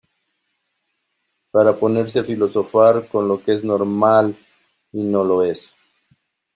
para ponerse a filosofar con lo que es normal y no lo es.